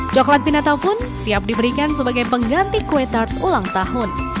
coklat pinata pun siap diberikan sebagai pengganti kue tart ulang tahun